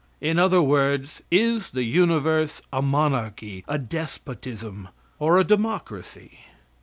In other words, is the universe a monarchy, a despotism, or a democracy?